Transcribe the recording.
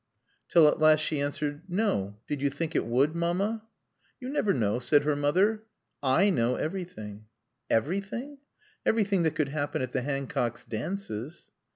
Till at last she answered, "No. Did you think it would, Mamma?" "You never know," said her mother. "I know everything." "_Every_thing?" "Everything that could happen at the Hancocks' dances."